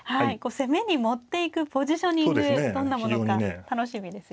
攻めに持っていくポジショニングどんなものか楽しみですよね。